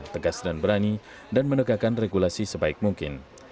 tegas dan berani dan menegakkan regulasi sebaik mungkin